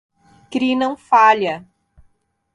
Kri não falha.